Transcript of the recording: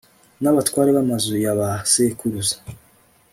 n'abatware b'amazu ya ba sekuruza,